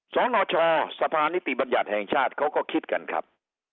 สนชสภานิติบัญญัติแห่งชาติเขาก็คิดกันครับ